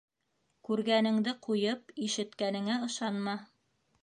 Күргәнеңде ҡуйып, ишеткәнеңә ышанма.